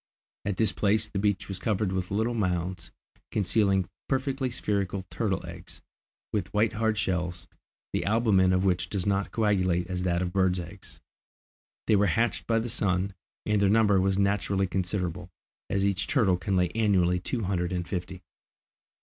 At this place the beach was covered with little mounds, concealing perfectly spherical turtles' eggs, with white hard shells, the albumen of which does not coagulate as that of birds' eggs. They were hatched by the sun, and their number was naturally considerable, as each turtle can lay annually two hundred and fifty.